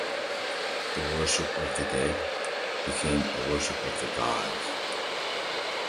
The worship of the dead became a worship of the gods.